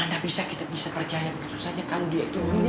tidak bisa kita bisa percaya begitu saja kalau dia itu memilih